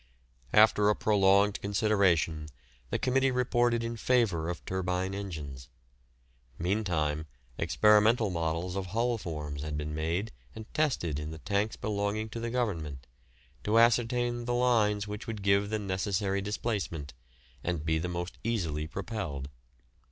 After a prolonged consideration the committee reported in favour of turbine engines. Meantime, experimental models of hull forms had been made and tested in the tanks belonging to the Government, to ascertain the lines which would give the necessary displacement, and be the most easily propelled.